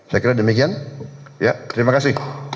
saya kira demikian ya terima kasih